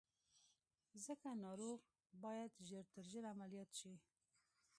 ځکه ناروغ بايد ژر تر ژره عمليات شي.